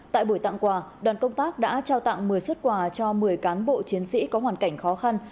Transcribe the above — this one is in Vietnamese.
tại buổi tặng quà đoàn công tác đã trao tặng một mươi xuất quà cho một mươi cán bộ chiến sĩ có hoàn cảnh khó khăn